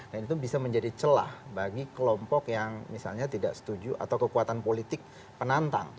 dan itu bisa menjadi celah bagi kelompok yang misalnya tidak setuju atau kekuatan politik penantang